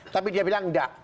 tapi dia bilang enggak